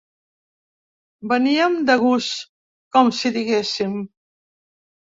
Veníem de gust, com si diguéssim.